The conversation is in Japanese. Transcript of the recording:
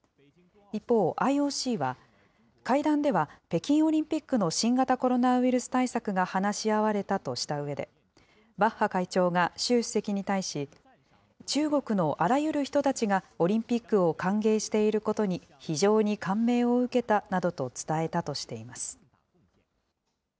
一方、ＩＯＣは、会談では北京オリンピックの新型コロナウイルス対策が話し合われたとしたうえで、バッハ会長が習主席に対し、中国のあらゆる人たちがオリンピックを歓迎していることに非常に感銘を受けたなどと伝えたとしています。